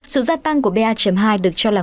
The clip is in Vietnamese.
sự gia tăng của ba hai được cho là nguyên nhân nhất